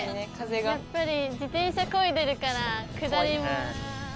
やっぱり自転車こいでるから。